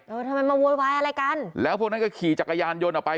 ทำไมมาโวยวายอะไรกันแล้วพวกนั้นก็ขี่จักรยานยนต์ออกไป